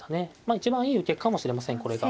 一番いい受けかもしれませんこれが。